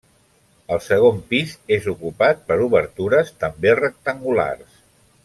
El segon pis és ocupat per obertures també rectangulars.